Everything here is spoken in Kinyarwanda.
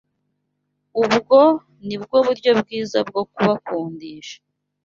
Ubwo ni bwo buryo bwiza bwo kubakundisha